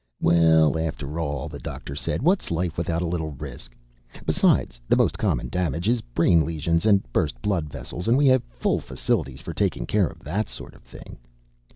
"Well, after all," the doctor said, "what's life without a little risk? Besides, the most common damage is brain lesions and burst blood vessels. And we have full facilities for taking care of that sort of thing."